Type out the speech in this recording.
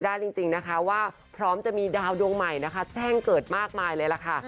ได้จริงนะคะว่าพร้อมจะมีดาวดวงใหม่นะคะแจ้งเกิดมากมายเลยล่ะค่ะ